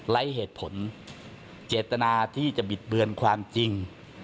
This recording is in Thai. ไร้เหตุผลเจตนาที่จะบิดเบือนความจริง